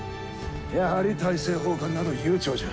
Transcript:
やはり大政奉還など悠長じゃ。